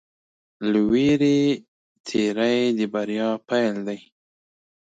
له وېرې تېری د بریا پيل دی.